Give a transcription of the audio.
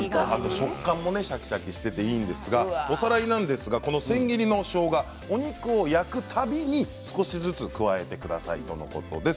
食感もシャキシャキしていいんですが、おさらいですが千切りのしょうがお肉を焼くたびに少しずつ加えてくださいとのことです。